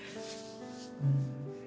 うん。